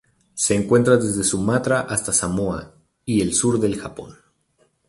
Se encuentra desde Sumatra hasta Samoa y el sur del Japón.